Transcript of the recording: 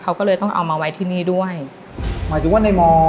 เขาก็เลยต้องเอามาไว้ที่นี่ด้วยหมายถึงว่าในม